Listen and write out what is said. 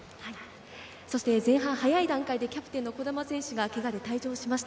前半、早い段階でキャプテン・児玉選手がけがで退場しました。